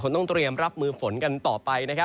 ต้องเตรียมรับมือฝนกันต่อไป